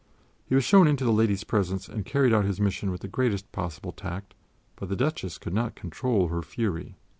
He was shown into the lady's presence and carried out his mission with the greatest possible tact, but the Duchess could not control her fury.